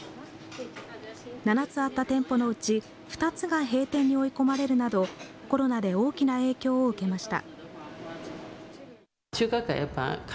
７つあった店舗のうち２つが閉店に追い込まれるなどコロナで大きな影響を受けました。